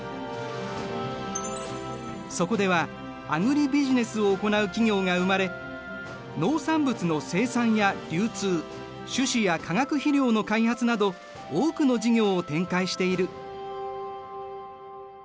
そこではアグリビジネスを行う企業が生まれ農産物の生産や流通種子や化学肥料の開発など多くの事業を展開している。